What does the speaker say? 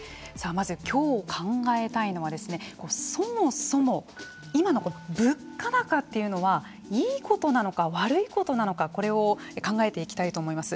まず今日考えたいのはそもそも今のこの物価高というのはいいことなのか悪いことなのかこれを考えていきたいと思います。